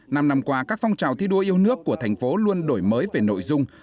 năm năm qua các phong trào thi đua yêu nước của thành phố luôn đổi mới về nội dung